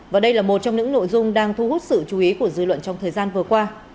và đây là một trong những nội dung đang thu hút sự chú ý của dư luận trong thời gian vừa qua